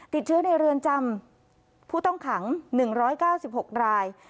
ติดเชื้อในเรือนจำผู้ต้องขัง๑๙๖ราย